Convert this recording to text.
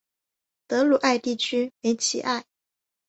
德鲁艾地区梅齐埃。